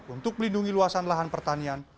untuk melindungi luasan lahan pertanian